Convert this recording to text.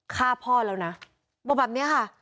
ฆ่าพ่อแล้วนะบอกแบบนี้ค่ะ